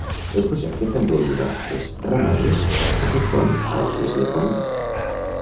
El projecte també ajuda els ramaders a fer front a la crisi econòmica.